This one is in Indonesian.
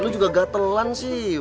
rau juga gatelan sih